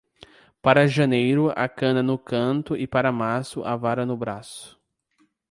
Para janeiro a cana no canto e para março a vara no braço.